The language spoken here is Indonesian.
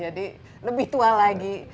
jadi lebih tua lagi